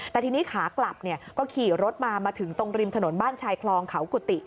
แต่ทีนี้ขากลับก็ขี่รถมามาถึงตรงริมถนนบ้านชายคลองเขากุฏิ